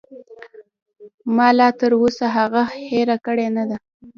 ما لاتر اوسه هغه هېره کړې نه ده.